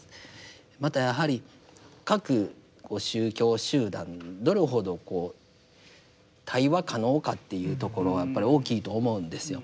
またやはり各宗教集団どれほどこう対話可能かっていうところはやっぱり大きいと思うんですよ。